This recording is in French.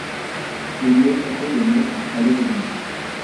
Il lui échappait des mots qu’il fallait deviner.